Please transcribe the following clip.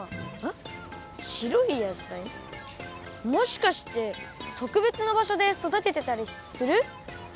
もしかしてとくべつな場所でそだててたりする？